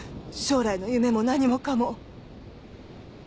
将来の夢も何もかも。